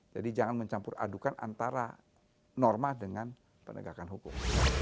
jadi jangan mencampur adukan antara norma dengan penegakan hukum